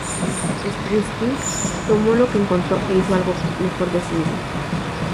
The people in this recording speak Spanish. Springsteen tomó lo que encontró e hizo algo mejor de sí mismo.